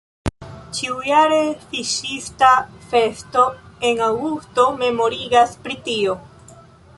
Ĉiujare fiŝista festo en aŭgusto memorigas pri tio.